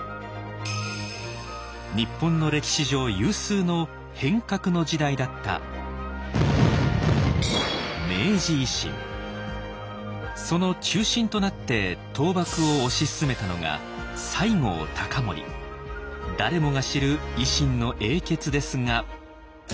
日本の歴史上有数の変革の時代だったその中心となって倒幕を推し進めたのが誰もが知る維新の英傑ですが。